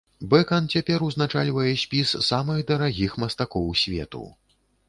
Бэкан цяпер узначальвае спіс самых дарагіх мастакоў свету.